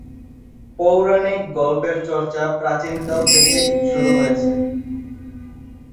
পৌরাণিক গল্পের চর্চা প্রাচীন কাল থেকেই শুরু হয়েছে।